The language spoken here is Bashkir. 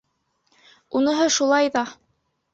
Уныһы шулай ҙа...